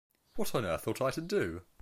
What on earth ought I to do?